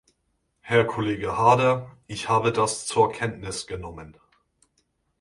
Herr Kollege Haarder, ich habe das zur Kenntnis genommen.